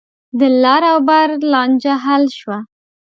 د لر او بر لانجه حل شوه.